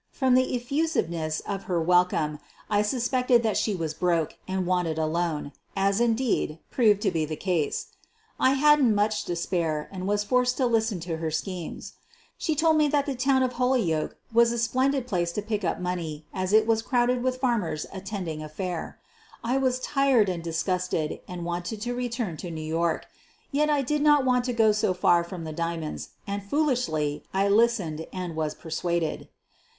From the effusiveness of her welcome I suspected that she was "broke" and wanted a loan, as, indeed, proved to be the case. I hadn't much to spare, and was forced to listen to her schemes. She told me that the town of Hol yoke was a splendid place to pick up money, as it was crowded with farmers attending a fair. I was tired and disgusted and wanted to return to New York. Yet I did not want to go so far from the diamonds, and, foolishly, I listened and was persuaded.